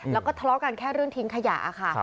แล้วก็ทะเลาะกันแค่เรื่องทิ้งขยะค่ะ